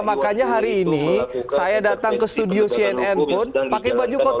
makanya hari ini saya datang ke studio cnn pun pakai baju koko